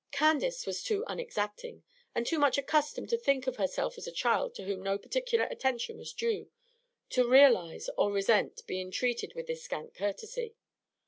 Candace was too unexacting, and too much accustomed to think of herself as a child to whom no particular attention was due, to realize or resent being treated with this scant courtesy.